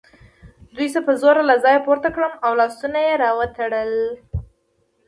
دوی زه په زور له ځایه پورته کړم او لاسونه یې وتړل